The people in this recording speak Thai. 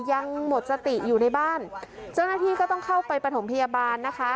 ยังหมดสติอยู่ในบ้านเจ้าหน้าที่ก็ต้องเข้าไปประถมพยาบาลนะคะ